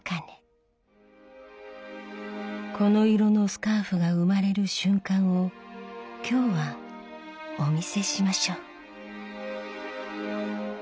この色のスカーフが生まれる瞬間を今日はお見せしましょう。